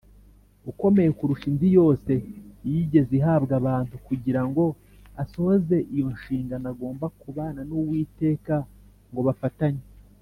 , ukomeye kurusha indi yose yigeze ihabwa abantu. Kugira ngo asohoze iyo nshingano, agomba kubana n’Uwiteka ngo bafatanye